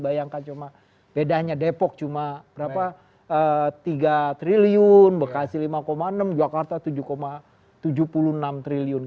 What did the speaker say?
bayangkan cuma bedanya depok cuma tiga triliun bekasi lima enam jakarta tujuh tujuh puluh enam triliun